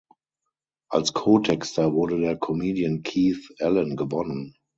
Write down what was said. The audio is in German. Als Co-Texter wurde der Comedian Keith Allen gewonnen.